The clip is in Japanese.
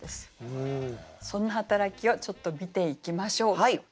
その働きをちょっと見ていきましょう。